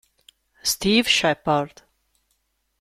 Steve Sheppard